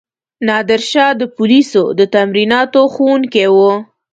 نادرشاه د پولیسو د تمریناتو ښوونکی وو.